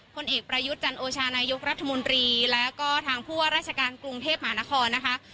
ผลเอกประยุทธ์จันโอชานายกรัฐมนตรีแล้วก็ทางผู้ว่าราชการกรุงเทพมหานครนะคะ